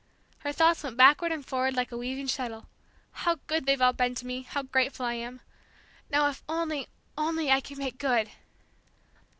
Her thoughts went backward and forward like a weaving shuttle: "How good they've all been to me! How grateful I am! Now if only, only, I can make good!"